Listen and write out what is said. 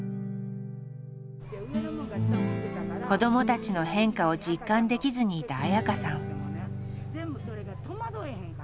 子どもたちの変化を実感できずにいた綾香さん。